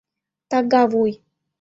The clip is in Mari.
— Тага вуй!